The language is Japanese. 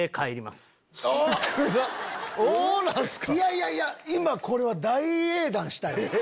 いやいや今これは大英断したよ。